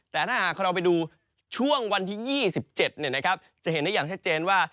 แต่ถ้าหากเราไปดูช่วงวันที่๒๗จะเห็นได้อย่างชัดเจนว่า